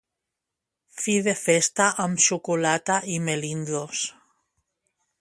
Fi de festa amb xocolata i melindros.